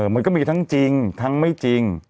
มันก็มีทั้งจริงทั้งไม่จริง